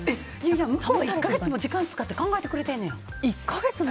向こうは１か月も時間使って考えてくれてるやん。